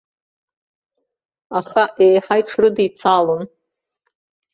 Аха еиҳа иҽрыдицалон.